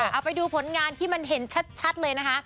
เอาไปดูผลงานที่มันเห็นชัดเลยนะคะ